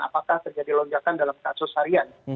apakah terjadi lonjakan dalam kasus harian